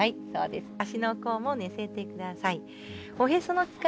そうです。